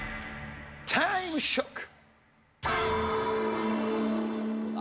タイムショック！